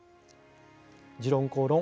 「時論公論」